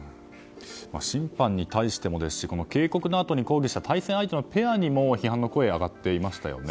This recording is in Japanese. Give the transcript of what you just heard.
審判に対してもですし警告のあとに抗議した対戦相手のペアにも批判の声が上がっていましたよね。